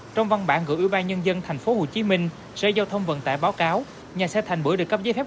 trong văn bản gửi ủy ban nhân dân tp hcm sở giao thông vận tải báo cáo nhà xe thành bưởi được cấp giấy phép